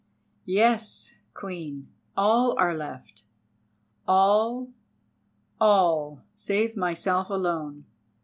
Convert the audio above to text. "Yes, Queen, all are left—all—all—save myself alone.